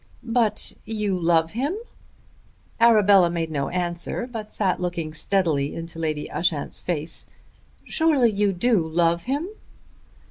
"But you love him?" Arabella made no answer, but sat looking steadily into Lady Ushant's face. "Surely you do love him."